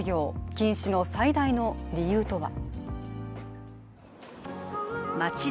禁止の最大の理由とは。